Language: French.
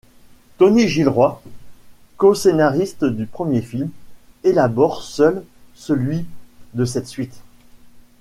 Tony Gilroy, coscénariste du premier film, élabore seul celui de cette suite.